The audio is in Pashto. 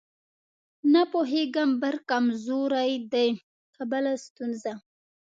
نه پوهېږم برق کمزورې دی که بله ستونزه.